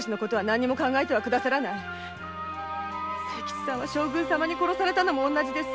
清吉さんは将軍様に殺されたのも同じです！